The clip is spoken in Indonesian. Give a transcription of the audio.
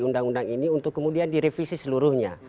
undang undang ini untuk kemudian direvisi seluruhnya